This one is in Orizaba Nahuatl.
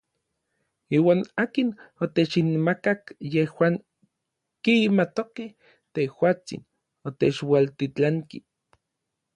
Iuan akin otechinmakak yejuan kimatokej tejuatsin otechualtitlanki.